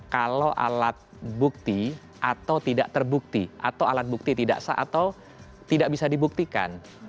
kalau alat bukti atau tidak terbukti atau alat bukti tidak bisa dibuktikan